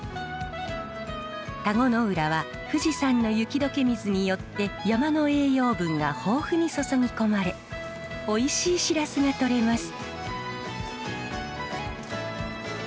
田子の浦は富士山の雪どけ水によって山の栄養分が豊富に注ぎ込まれおいしいシラスがとれます。